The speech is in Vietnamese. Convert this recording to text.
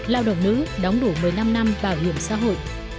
lao động nữ đóng đủ một mươi năm năm bảo hiểm xã hội